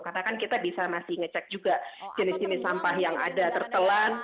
karena kan kita bisa masih ngecek juga jenis jenis sampah yang ada tertelan